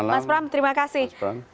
mas pram terima kasih